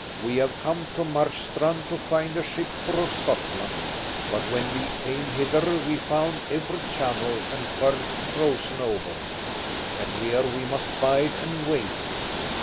We have come to Marstrand to find a ship for Scotland, but when we came hither we found every channel and firth frozen over, and here we must bide and wait.